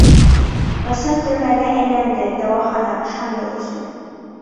Ысын төрмәгә әйләнде дауахана Шамил өсөн.